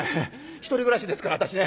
１人暮らしですから私ね。